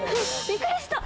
ビックリした！